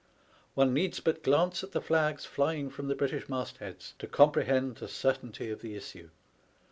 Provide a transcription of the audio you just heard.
One needs but glance at the flags flying from the British mastheads to comprehend the certainty of the issue.